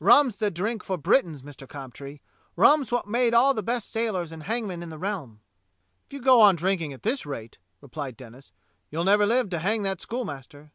Rum's the drink for Britons, Mister Cobtree. Rum's wot's made all the best sailors and hangmen in the realm." "If you go on drinking at this rate," replied Denis, "you'll never live to hang that schoolmaster."